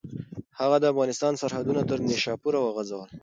هغه د افغانستان سرحدونه تر نیشاپوره وغځول.